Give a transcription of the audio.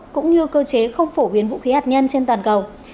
cũng như cơ chế không phổ biến vụ phóng này